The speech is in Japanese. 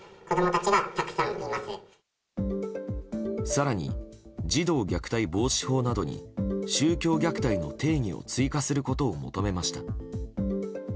更に、児童虐待防止法などに宗教虐待の定義を追加することを求めました。